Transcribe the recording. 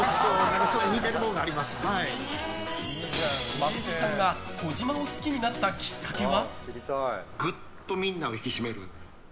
増井さんが児嶋を好きになったきっかけは？